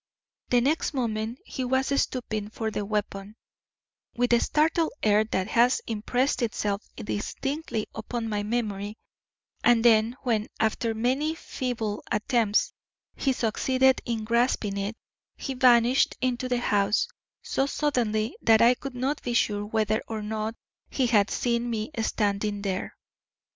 The next moment he was stooping for the weapon, with a startled air that has impressed itself distinctly upon my memory, and when, after many feeble attempts, he succeeded in grasping it, he vanished into the house so suddenly that I could not be sure whether or not he had seen me standing there.